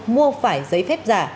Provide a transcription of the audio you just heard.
mua phải giấy phép giả